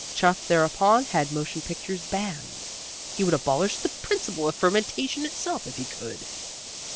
Chuff thereupon had motion pictures banned. He would abolish the principle of fermentation itself if he could.